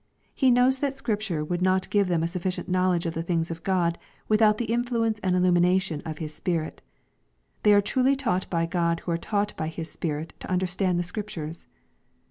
He knows that Scripture would not give them a sufficient knowledge of the things of God, without the influence and illumination of His Spirit They are truly taught by God who are taught by His Spirit to understand the Scriptures.